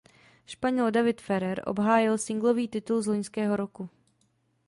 Španěl David Ferrer obhájil singlový titul z loňského roku.